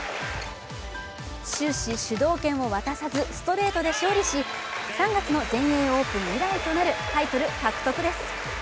終始主導権を渡さずストレートで勝利し、３月の全英オープン以来となるタイトル獲得です。